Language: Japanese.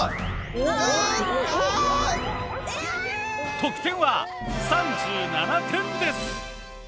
得点は３７点です。